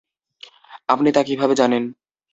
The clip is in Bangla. আপনি তা কীভাবে জানেন?